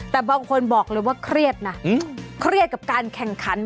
แต่บางคนบอกเลยว่าเครียดนะเครียดกับการแข่งขัน